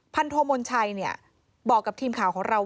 โทมนชัยบอกกับทีมข่าวของเรา